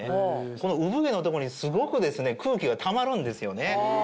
この産毛のとこにすごく空気がたまるんですよね。